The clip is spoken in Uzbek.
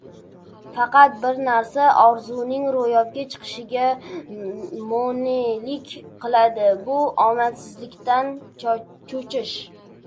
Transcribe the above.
Faqat bir narsa orzuning ro‘yobga chiqishiga mone’lik qiladi — bu omadsizlikdan cho‘chish.